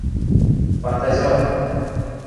— Фантазер!